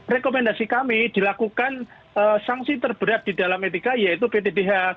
rekomendasi kami dilakukan sanksi terberat di dalam etika yaitu ptdh